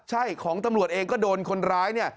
ใช่ของตำรวจเองก็โดนคนร้ายเนี่ย